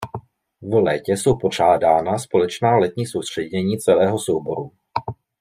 V létě jsou pořádána společná letní soustředění celého souboru.